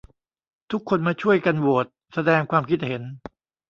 ทุกคนมาช่วยกันโหวต แสดงความคิดเห็น